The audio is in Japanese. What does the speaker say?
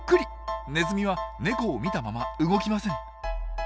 ネズミはネコを見たまま動きません。